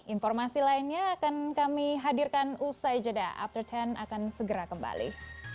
informasi lainnya akan kami hadirkan usai jeda after sepuluh akan segera kembali